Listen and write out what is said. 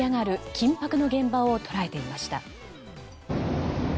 緊迫の現場を捉えていました。